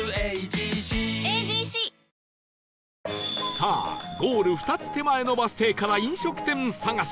さあゴール２つ手前のバス停から飲食店探し